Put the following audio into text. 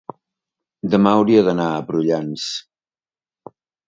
demà hauria d'anar a Prullans.